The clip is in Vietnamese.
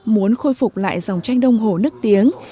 muốn khôi phục lại dòng tranh đông hồ nước tiếng